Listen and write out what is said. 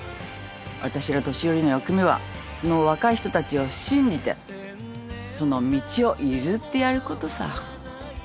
あたしら年寄りの役目はその若い人たちを信じてその道を譲ってやることさ